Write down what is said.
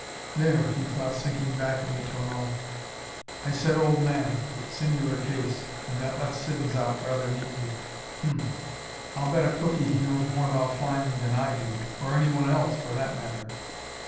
"There," he thought, sinking back in the tonneau. "I said 'old man'. Singular case, and that lets Siddons out rather neatly. Hum. I'll bet a cookie he knows more about flying than I do or anyone else, for that matter.